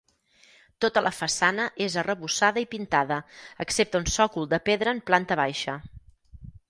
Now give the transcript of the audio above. Tota la façana és arrebossada i pintada excepte un sòcol de pedra en planta baixa.